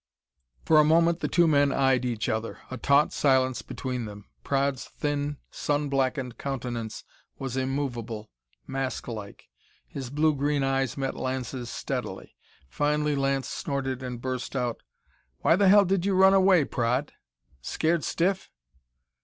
For a moment the two men eyed each other, a taut silence between them. Praed's thin, sun blackened countenance was immovable, masklike. His blue green eyes met Lance's steadily. Finally Lance snorted and burst out: "Why the hell did you run away, Praed? Scared stiff?"